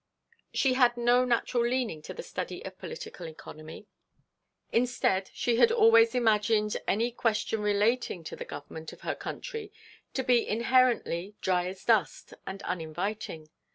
She had no natural leaning to the study of political economy. Instead, she had always imagined any question relating to the government of her country to be inherently dry as dust and uninviting.